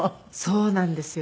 そうなんですよ。